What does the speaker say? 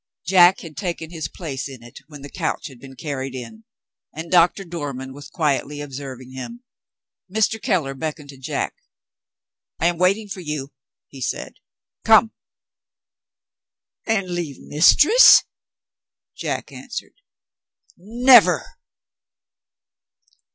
Jack had taken his place in it, when the couch had been carried in; and Doctor Dormann was quietly observing him. Mr. Keller beckoned to Jack. "I am waiting for you," he said. "Come!" "And leave Mistress?" Jack answered. "Never!"